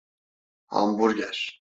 Hamburger…